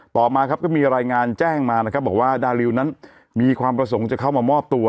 ต่อมาก็มีรายงานแจ้งมาว่าดาริวนั้นมีความประสงครรภ์จะเข้ามามอบตัว